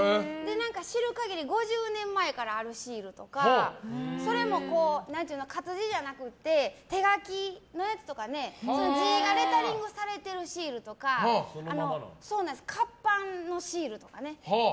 知る限り５０年前からあるシールとかそれも活字じゃなくて手書きのやつとか字がレタリングされてるシールとか活版のシールとか。